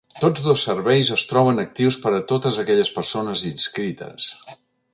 Tots dos serveis es troben actius per a totes aquelles persones inscrites.